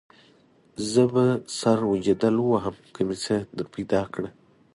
زه به سر وجدل ووهم که مې څه درپیدا کړه.